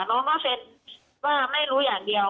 น้องก็เซ็นว่าไม่รู้อย่างเดียว